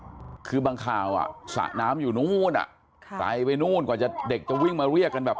คือบางข่าวอ่ะสระน้ำอยู่นู้นอ่ะค่ะไกลไปนู่นกว่าจะเด็กจะวิ่งมาเรียกกันแบบ